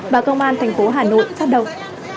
và công an thành phố hà nội phát động